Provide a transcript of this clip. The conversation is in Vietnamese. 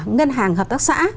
ngân hàng hợp tác xã